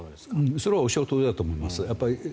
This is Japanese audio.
それはおっしゃるとおりだと思います。